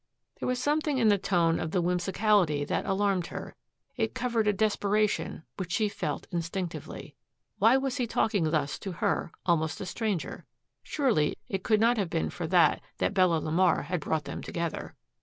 There was something in the tone of the whimsicality that alarmed her. It covered a desperation which she felt instinctively. Why was he talking thus to her, almost a stranger? Surely it could not have been for that that Bella LeMar had brought them together.